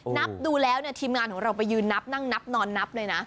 นับดูแล้วเนี่ยทีมงานของเราไปยืนนับนั่งนับนอนนับเลยนะ